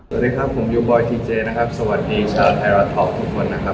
สวัสดีครับผมยูบอยทีเจนะครับสวัสดีชาวไทยรัฐท็อกทุกคนนะครับ